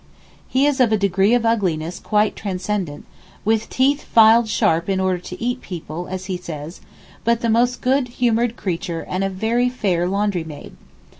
He is of a degree of ugliness quite transcendent, with teeth filed sharp 'in order to eat people' as he says, but the most good humoured creature and a very fair laundry maid.